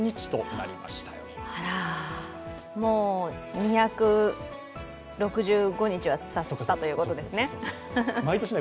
あら、もう２６５日は終わったということですね。